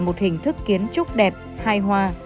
một hình thức kiến trúc đẹp hai hoa